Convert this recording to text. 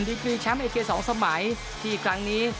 ดีกรีแชมป์เอเชีย๒สมัยที่ครั้งนี้